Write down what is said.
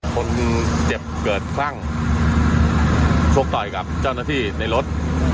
คนเจ็บเกิดคลั่งชกต่อยกับเจ้าหน้าที่ในรถ